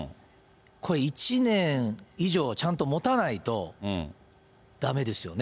これ１年以上ちゃんともたないとだめですよね。